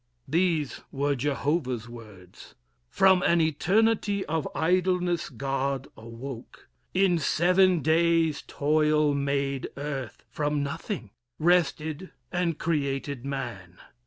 These were Jehovah's words: "From an eternity of idleness, God, awoke: in seven days toil made earth From nothing; rested, and created man.